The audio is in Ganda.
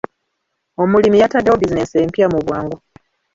Omulimi yataddewo bizinensi empya mu bwangu.